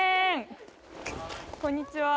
・こんにちは・